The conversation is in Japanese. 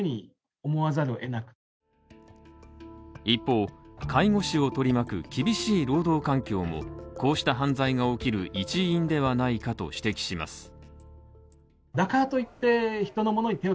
一方、介護士を取り巻く厳しい労働環境もこうした犯罪が起きる一因ではないかと指摘します。